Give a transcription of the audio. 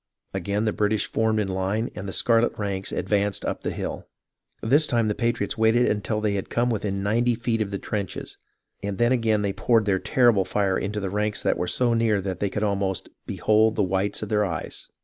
Again the British formed in line and the scarlet ranks advanced up the hill. This time the patriots waited until they had come within ninety feet of the trenches, then again they poured their terrible fire right into the ranks that were so near that they could almost " behold the whites of their eyes."